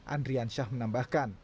andrian syah menambahkan